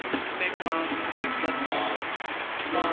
「こんなこと」